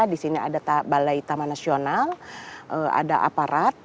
di sini ada balai taman nasional ada aparat